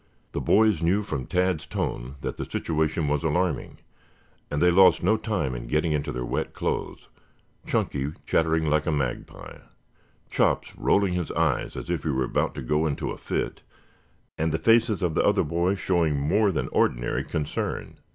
The boys knew from Tad's tone that the situation was alarming, and they lost no time in getting into their wet clothes, Chunky chattering like a magpie, Chops rolling his eyes as if he were about to go into a fit, and the faces of the other boys showing more than ordinary concern.